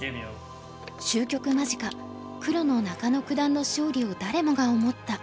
終局間近黒の中野九段の勝利を誰もが思った。